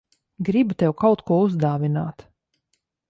Gribu tev kaut ko uzdāvināt.